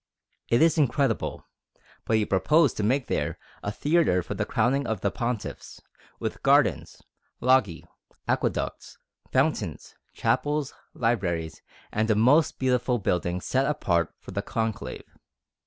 It is incredible, but he proposed to make there a theatre for the crowning of the Pontiffs, with gardens, loggie, aqueducts, fountains, chapels, libraries, and a most beautiful building set apart for the Conclave.